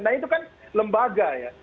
nah itu kan lembaga ya